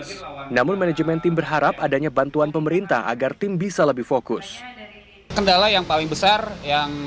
pertama kali ini tim indonesia berhasil meraih peringkat sepuluh dari empat puluh tujuh negara dan mendapatkan gelar fair play award